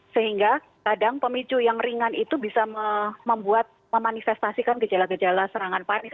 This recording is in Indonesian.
sehingga kadang pemicu yang ringan itu bisa membuat memanifestasikan gejala gejala serangan panik